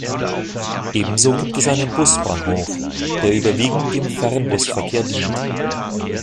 Ebenso gibt es einen Busbahnhof, der überwiegend dem Fernbusverkehr dient.